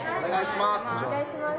お願いします。